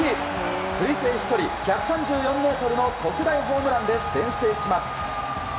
推定飛距離１３４ｍの特大ホームランで先制します。